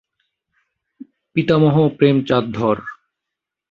পিতামহ প্রেমচাঁদ ধর।